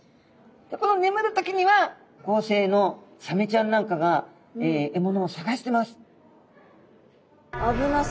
このねむる時には夜行性のサメちゃんなんかが獲物を探してます。